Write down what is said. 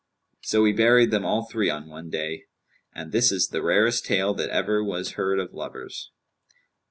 So we buried them all three on one day, and this is the rarest tale that ever was heard of lovers."